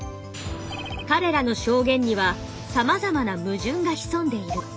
彼らの証言にはさまざまなムジュンが潜んでいる。